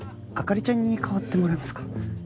灯ちゃんに代わってもらえますか？